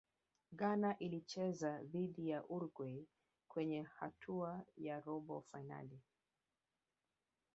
ghana ilicheza dhidi ya uruguay kwenye hatua ya robo fainali